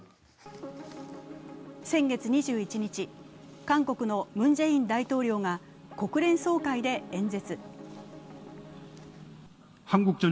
先月２１日、韓国のムン・ジェイン大統領が国連総会で演説。